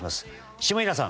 下平さん。